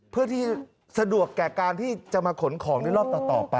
เพื่อที่สะดวกแก่การที่จะมาขนของในรอบต่อไป